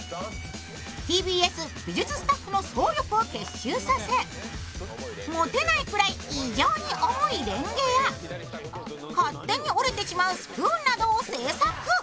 ＴＢＳ美術スタッフの総力を結集させ持てないくらい異常に重いれんげや、勝手に折れてしまうスプーンなどを製作。